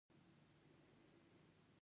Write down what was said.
هیلۍ د خپل ځاله جوړولو کې مهارت لري